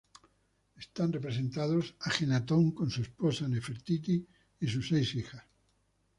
Están representados Ajenatón con su esposa Nefertiti y sus seis hijas.